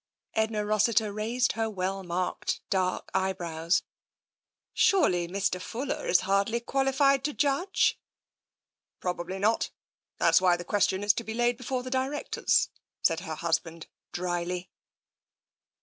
Edna Rossiter raised her well marked, dark eye brows. Surely Mr. Fuller is hardly qualified to judge?" Probably not. That's why the question is to be laid before the directors," said her husband drily.